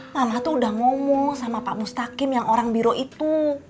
mama tuh udah ngomong sama pak mustakim yang orang biro itu